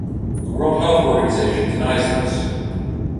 The World Health Organisation denies this.